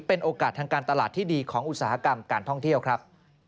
เป็นโอกาสทางการตลาดที่ดีของอุตสาหกรรมการท่องเที่ยวครับ